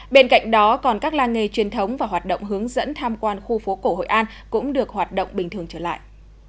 bên cạnh đó còn các la nghề truyền thống và hoạt động hướng dẫn tham quan khu phố cổ hội an cũng được hoạt động bình thường trở lại